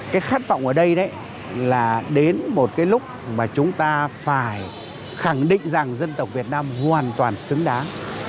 cái khát vọng ở đây đấy là đến một cái lúc mà chúng ta phải khẳng định rằng dân tộc việt nam hoàn toàn xứng đáng